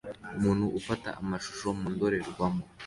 Umuntu ufata amashusho mu ndorerwamo